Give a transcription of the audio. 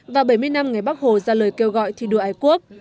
và bảy mươi năm ngày bắc hồ ra lời kêu gọi thi đua ái quốc